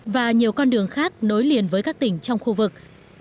và nhiều con đường khác nối liền với các tỉnh trong khu vực